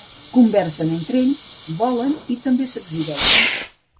Conversen entre ells, volen i també s'exhibeixen.